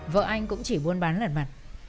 vợ anh cũng chỉ buôn bán lần mặt